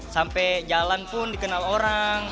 sampai jalan pun dikenal orang